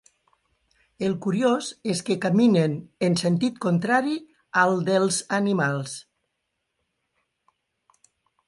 El curiós és que caminen en sentit contrari al dels animals.